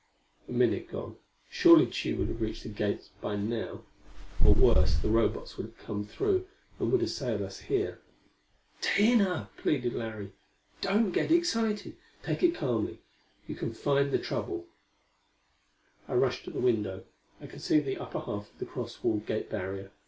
A minute gone. Surely Tugh would have reached the gate by now. Or, worse, the Robots would have come through, and would assail us here. "Tina!" pleaded Larry, "don't get excited. Take it calmly: you can find the trouble." I rushed to the window. I could see the upper half of the cross wall gate barrier.